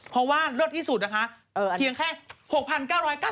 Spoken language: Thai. เพราะว่าเลิศที่สุดนะคะเพียงแค่๖๙๙๐บาทเท่านั้นนะคะ